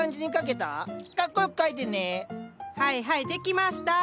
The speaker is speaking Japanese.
はいはい出来ました。